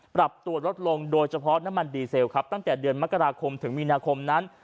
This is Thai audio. ปรับตัวลดลงโดยเฉพาะน้ำมันดีเซลครับตั้งแต่เดือนมกราคมถึงมีนาคมนั้น